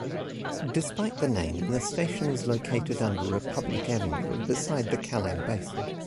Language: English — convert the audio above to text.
Despite the name, the station is located under Republic Avenue, beside the Kallang Basin.